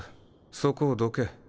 そこをどけ。